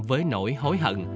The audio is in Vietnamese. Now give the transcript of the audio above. với nỗi hối hận